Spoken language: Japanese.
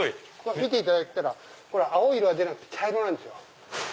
見ていただいたら青い色が出なくて茶色なんですよ。